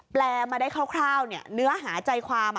แปลมาได้คร่าวเนื้อหาใจความ